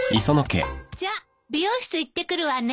じゃあ美容室行ってくるわね。